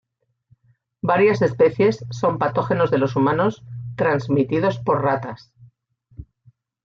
Varias especies son patógenos de los humanos transmitidos por ratas.